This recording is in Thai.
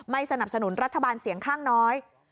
สนับสนุนรัฐบาลเสียงข้างน้อย